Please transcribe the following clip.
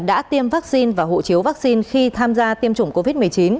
đã tiêm vaccine và hộ chiếu vaccine khi tham gia tiêm chủng covid một mươi chín